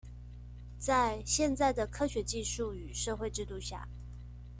在現在的科學技術與社會制度下